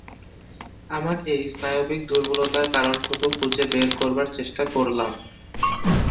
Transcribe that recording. আমার এই স্নায়বিক দুর্বলতার কারণটুকু খুঁজে বের করবার চেষ্টা করলাম।